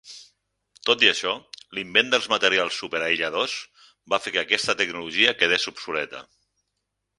Tot i això, l"invent dels materials súper aïlladors va fer que aquesta tecnologia quedés obsoleta.